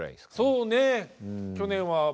そうね。